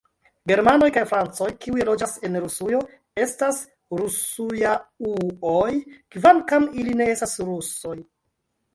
Germanoj kaj francoj, kiuj loĝas en Rusujo, estas Rusujauoj, kvankam ili ne estas rusoj.